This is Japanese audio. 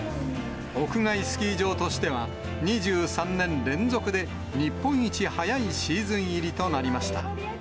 屋外スキー場としては、２３年連続で日本一早いシーズン入りとなりました。